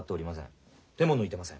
手も抜いてません。